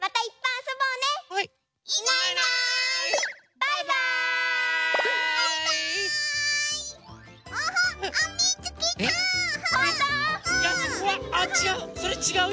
それちがうよ！